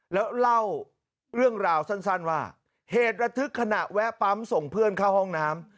แล้วเล่าเรื่องราวสั้นว่าเหตุระทึกขณะแวะปั๊มส่งเพื่อนเข้าห้องน้ำ